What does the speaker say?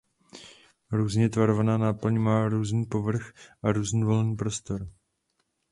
Různě tvarovaná náplň má různý povrch a různý volný prostor.